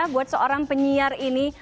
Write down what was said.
buat seorang penyiar ini